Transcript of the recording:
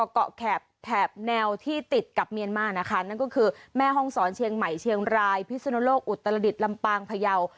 เกาะแถบแถบแนวที่ติดกับเมียนมานะคะนั่นก็คือแม่ห้องศรเชียงใหม่เชียงรายพิศนุโลกอุตรดิษฐ์ลำปางพยาว